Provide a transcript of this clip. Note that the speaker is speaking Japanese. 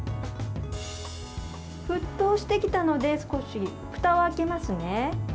沸騰してきたので少しふたを開けますね。